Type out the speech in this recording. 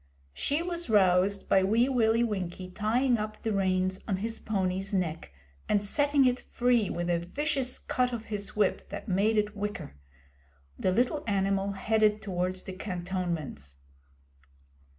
She was roused by Wee Willie Winkie tying up the reins on his pony's neck and setting it free with a vicious cut of his whip that made it whicker. The little animal headed towards the cantonments.